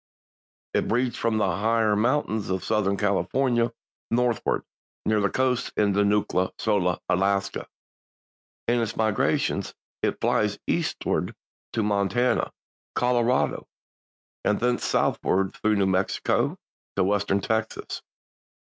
It breeds from the higher mountains of Southern California northward, near the coast to Nootka Sound, Alaska. In its migrations it flies eastward to Montana, Colorado and thence southward through New Mexico to Western Texas.